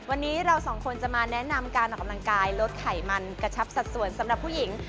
วันนี้เราสองคนจะมาแนะนำการออกกำลังกายลดไขมันกระชับสัดส่วนสำหรับผู้หญิง